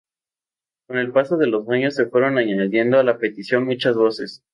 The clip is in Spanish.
Con el paso de los años se fueron añadiendo a la petición muchas voces.